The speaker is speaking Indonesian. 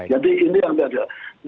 jadi ini yang terjadi